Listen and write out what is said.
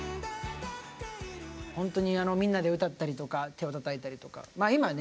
ほんとにあのみんなで歌ったりとか手をたたいたりとかまあ今ね